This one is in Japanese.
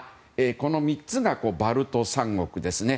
この３つがバルト三国ですね。